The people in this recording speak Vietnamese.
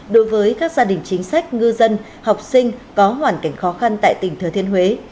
đối với các gia đình chính sách ngư dân học sinh có hoàn cảnh khó khăn tại tỉnh thừa thiên huế